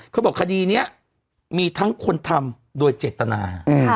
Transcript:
เขาบอกคดีนี้มีทั้งคนทำโดยเจตนา